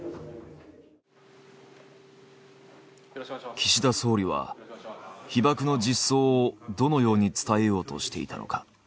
岸田総理は被爆の実相をどのように伝えようとしていたのか。